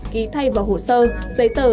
ký thay vào hồ sơ giấy tờ